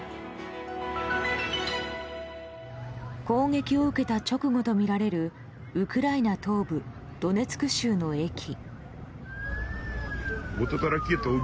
攻撃を受けた直後とみられるウクライナ東部ドネツク州の駅。